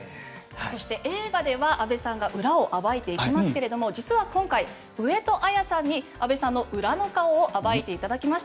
そして映画では阿部さんが裏を暴いていきますが実は今回、上戸彩さんに阿部さんの裏の顔を暴いていただきました。